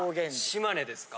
島根ですか？